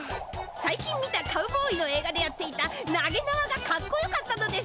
さい近見たカウボーイのえい画でやっていた投げなわがかっこよかったのです。